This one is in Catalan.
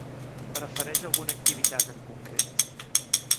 Prefereix alguna activitat en concret?